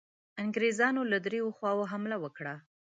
انګرېزانو له دریو خواوو حمله وکړه.